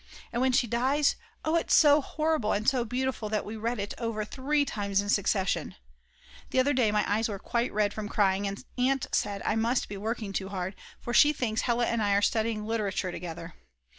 And when she dies, oh, it's so horrible and so beautiful that we read it over three times in succession. The other day my eyes were quite red from crying, and Aunt said I must be working too hard; for she thinks that Hella and I are studying literature together.